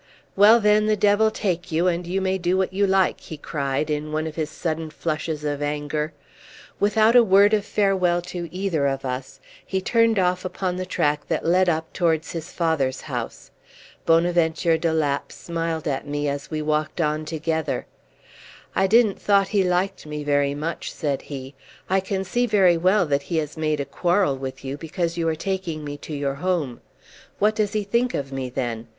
"Well, then, the devil take you, and you may do what you like!" he cried, in one of his sudden flushes of anger. Without a word of farewell to either of us, he turned off upon the track that led up towards his father's house. Bonaventure de Lapp smiled at me as we walked on together. "I didn't thought he liked me very much," said he. "I can see very well that he has made a quarrel with you because you are taking me to your home. What does he think of me then?